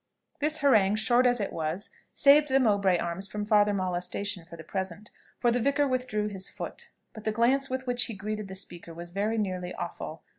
This harangue, short as it was, saved the Mowbray Arms from farther molestation for the present; for the vicar withdrew his foot. But the glance with which he greeted the speaker was very nearly awful.